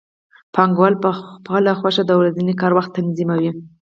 پانګوال په خپله خوښه د ورځني کار وخت تنظیموي